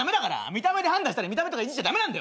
見た目で判断したら見た目とかいじっちゃ駄目だよ。